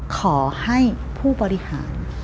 ขอให้ผู้บริหาร